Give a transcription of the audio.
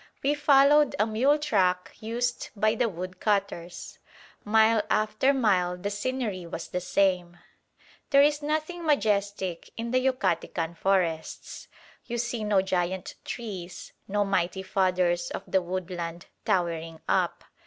We followed a mule track used by the woodcutters. Mile after mile the scenery was the same. There is nothing majestic in the Yucatecan forests. You see no giant trees, no mighty fathers of the woodland towering up.